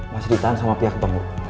masih ditahan sama pihak ketemu